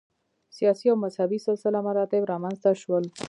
سیاسي او مذهبي سلسله مراتب رامنځته شول